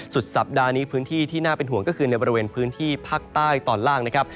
สุดสัปดาห์นี้พื้นที่ที่น่าเป็นห่วงก็คือในบริเวณพื้นที่ภาคใต้ตอนล่างนะครับ